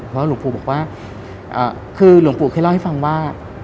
แล้วหลวงปู่บอกว่าคือหลวงปู่เคยเล่าให้ฟังว่า